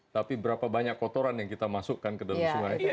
tapi berapa banyak kotoran yang kita masukkan ke dalam sungai